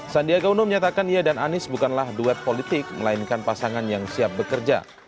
sandiaga uno menyatakan ia dan anies bukanlah duet politik melainkan pasangan yang siap bekerja